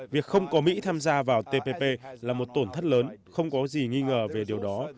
việc không có mỹ tham gia vào tpp là một tổn thất lớn không có gì nghi ngờ về điều đó